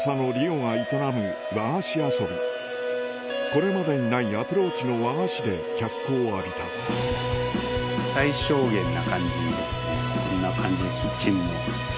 これまでにないアプローチの和菓子で脚光を浴びた最小限な感じですね。